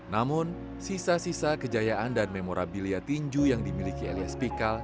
namun sisa sisa kejayaan dan memorabilia tinju yang dimiliki elias pikal